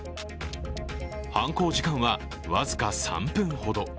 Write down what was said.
犯行時間は、僅か３分ほど。